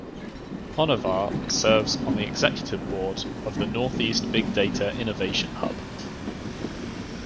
Honavar serves on the Executive Board of the Northeast Big Data Innovation Hub.